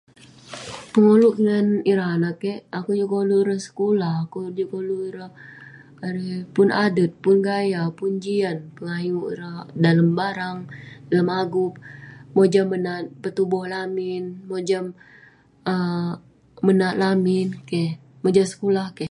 Koluk kek ngan ireh anaq kek, akeuk juk koluk ireh sekulah, akeuk juk koluk ireh erei pun adet, pun gaya, pun jian, pun ayuk ireh dalem barang, lem agup, mojam menat petuboh lamin, mojam um menat lamin, keh. Mojam sekulah keh.